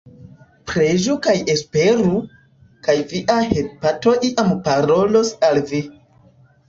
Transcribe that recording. Preĝu kaj esperu, kaj Via hepato iam parolos al Vi.